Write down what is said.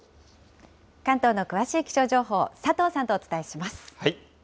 関東の詳しい気象情報、佐藤さんとお伝えします。